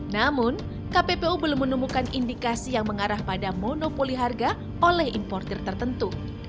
namun kppu belum menemukan indikasi yang mengarah pada monopoli harga oleh importer tertentu